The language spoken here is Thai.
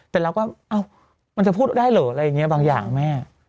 แต่เราก็เอ้ามันจะพูดได้เหรออะไรอย่างนี้บางอย่างแม่